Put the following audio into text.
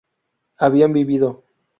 habían vivido